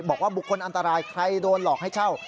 บุคคลอันตรายใครโดนหลอกให้เช่า